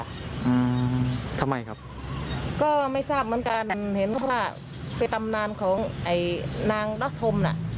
อืมทำไมครับก็ไม่ทราบเหมือนกันอันเห็นว่าเป็นตำนานของไอ้นางรักธมน่ะ